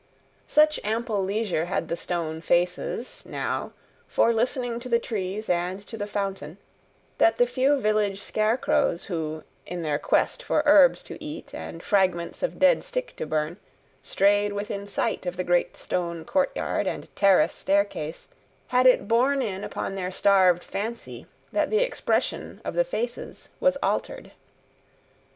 Such ample leisure had the stone faces, now, for listening to the trees and to the fountain, that the few village scarecrows who, in their quest for herbs to eat and fragments of dead stick to burn, strayed within sight of the great stone courtyard and terrace staircase, had it borne in upon their starved fancy that the expression of the faces was altered.